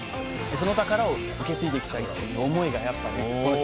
その宝を受け継いでいきたいという思いがやっぱねこの島